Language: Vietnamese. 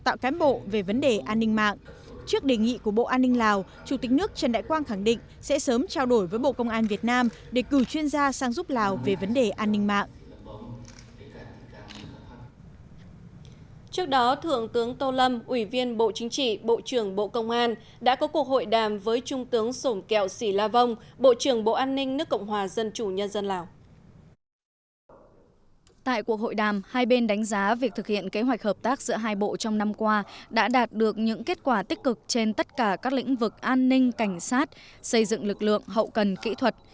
tại cuộc hội đàm hai bên đánh giá việc thực hiện kế hoạch hợp tác giữa hai bộ trong năm qua đã đạt được những kết quả tích cực trên tất cả các lĩnh vực an ninh cảnh sát xây dựng lực lượng hậu cần kỹ thuật